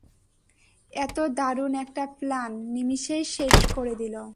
এতো দারুণ একটা প্ল্যান নিমিষেই শেষ করে দিল।